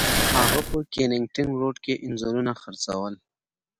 هغه په کینینګټن روډ کې انځورونه خرڅول.